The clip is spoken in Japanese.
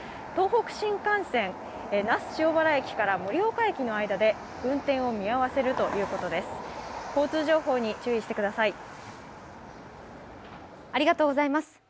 東北新幹線、那須塩原駅から盛岡駅の間で運転を見合わせるということです。